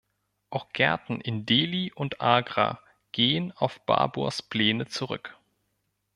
Auch Gärten in Delhi und Agra gehen auf Baburs Pläne zurück.